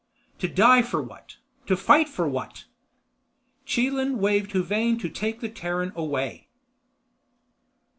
To die for what? To fight for what?" Chelan waved Huvane to take the Terran away.